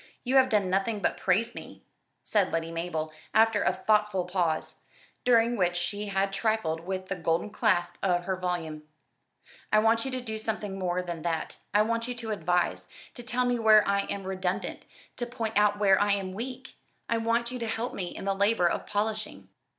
"You have done nothing but praise me," said Lady Mabel, after a thoughtful pause, during which she had trifled with the golden clasp of her volume; "I want you to do something more than that. I want you to advise to tell me where I am redundant to point out where I am weak. I want you to help me in the labour of polishing."